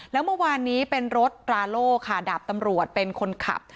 แล้วเมื่อวานนี้เป็นรถตราโล่ค่ะดาบตำรวจเป็นคนขับ